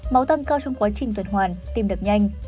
máu tăng cao trong quá trình tuyệt hoàn tim đập nhanh